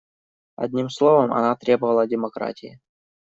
Одним словом, она требовала демократии.